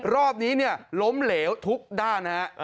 รอบนี้เนี่ยล้มเหลวทุกด้านนะฮะ